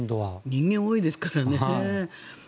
人間多いですからね。